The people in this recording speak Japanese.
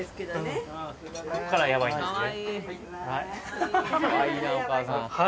こっからやばいんですね